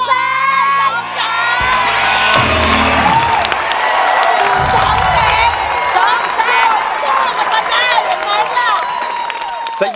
๒มาป่ะแดง